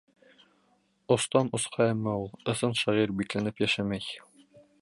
Остан-осҡа Әммә ул, ысын шағир, бикләнеп йәшәмәй.